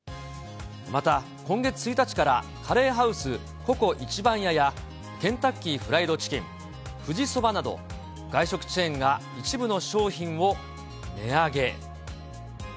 また、今月１日から、カレーハウスココ壱番屋や、ケンタッキーフライドチキン、富士そばなど、外食チェーンが一部の商品を値上げ。